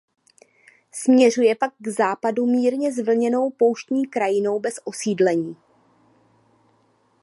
Směřuje pak k západu mírně zvlněnou pouštní krajinou bez osídlení.